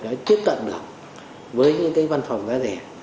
đã tiếp cận được với những cái văn phòng ra rẻ